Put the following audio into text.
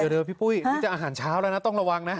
เดี๋ยวพี่ปุ้ยนี่จะอาหารเช้าแล้วนะต้องระวังนะ